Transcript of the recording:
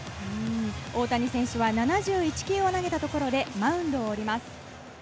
大谷選手は７１球を投げたところでマウンドを降ります。